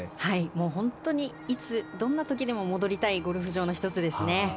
もう本当にいつどんな時でも戻りたいゴルフ場の１つですね。